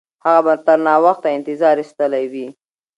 هغه به تر ناوخته انتظار ایستلی وي.